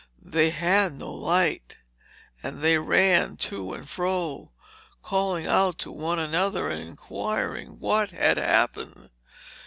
They had no light; and they ran to and fro, calling out to one another and inquiring what had happened.